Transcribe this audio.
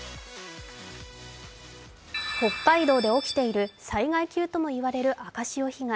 北海道で起きている災害級とも言われる赤潮被害。